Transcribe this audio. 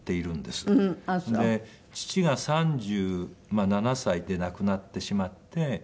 で父が３７歳で亡くなってしまって。